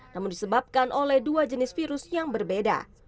namun disebabkan oleh dua jenis virus yang berbeda